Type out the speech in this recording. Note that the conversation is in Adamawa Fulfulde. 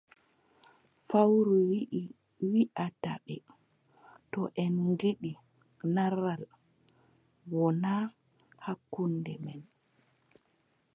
Fowru wiʼata ɓe: to en ngiɗi narral wona hakkunde men,